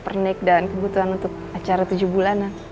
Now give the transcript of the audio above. pernik dan kebutuhan untuk acara tujuh bulanan